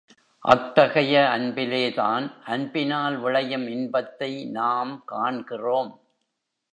அத்தகைய அன்பிலேதான் அன்பினால் விளையும் இன்பத்தை நாம் காண்கிறோம்.